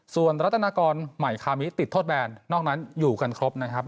ส่วนรัฐนากรใหม่คามิติดโทษแบนนอกนั้นอยู่กันครบนะครับ